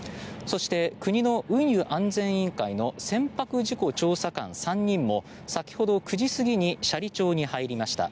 そして国の運輸安全委員会の船舶事故調査官３人も先ほど９時過ぎに斜里町に入りました。